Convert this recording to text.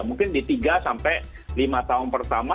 mungkin di tiga sampai lima tahun pertama